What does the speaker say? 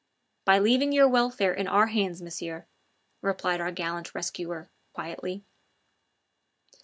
"By leaving your welfare in our hands, Monsieur," replied our gallant rescuer quietly.